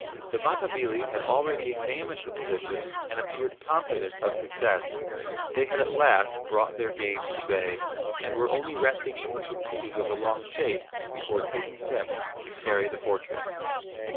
The Matabili had already examined the position and appeared confident of success. They had at last brought their game to bay, and were only resting from the fatigue of the long chase before taking steps to "carry the fortress."